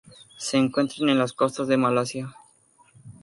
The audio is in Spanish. Se encuentran en las costas de Malasia.